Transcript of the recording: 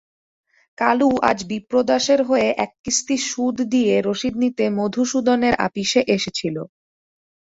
কালু আজ বিপ্রদাসের হয়ে এক কিস্তি সুদ দিয়ে রসিদ নিতে মধুসূদনের আপিসে এসেছিল।